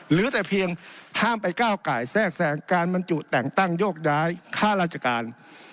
เหลือแต่เพียงห้ามไปก้าวไก่แทรกแทรงการบรรจุแต่งตั้งโยกย้ายค่าราชการ